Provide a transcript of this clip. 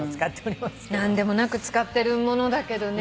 何でもなく使ってるものだけどね。